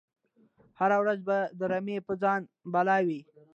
هره ورځ به د رمی په ځان بلا وي